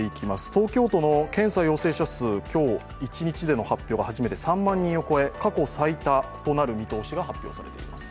東京都の検査陽性者数今日一日での発表が初めて３万人を超え、過去最多となる見込みです。